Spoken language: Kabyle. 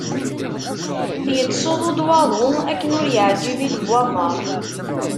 Yettsuḍu-d waḍu akken ur yeɛǧib i lebwaber.